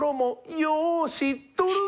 「よう知っとるぞ」。